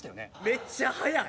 めっちゃ速い。